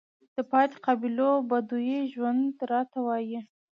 د پاتې قبايلو بدوى ژوند راته وايي،